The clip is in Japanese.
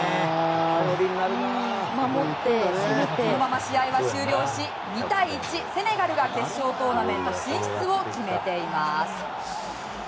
このまま試合は終了し２対１とセネガルが決勝トーナメント進出を決めています。